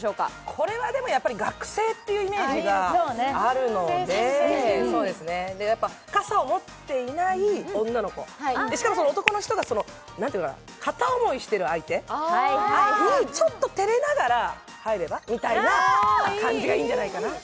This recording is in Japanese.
これは学生っていうイメージがあるので傘を持っていない女の子、しかも男の人が片想いしている相手にちょっと照れながら「入れば？」みたいな感じがいいんじゃないかな？